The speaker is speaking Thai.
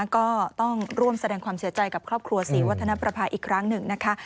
ก็ต้องร่วมแสดงความเสียใจกับครอบครัวศรีวัฒนประภาอีกครั้งหนึ่งนะคะ